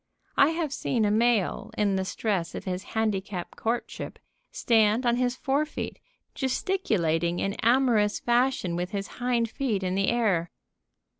I have seen a male, in the stress of his handicap courtship, stand on his fore feet, gesticulating in amorous fashion with his hind feet in the air.